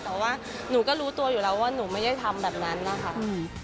แต่ว่าหนูก็รู้ตัวอยู่แล้วว่าหนูไม่ได้ทำแบบนั้นนะคะ